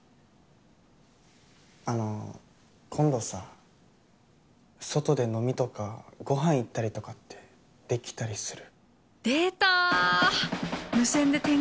あの今度さ外で飲みとかご飯行ったりとかってできたりする？